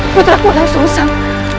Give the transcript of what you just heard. putraku langsung usang